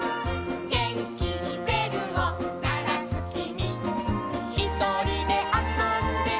「げんきにべるをならすきみ」「ひとりであそんでいたぼくは」